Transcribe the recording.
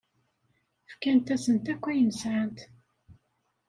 Fkant-asent akk ayen sɛant.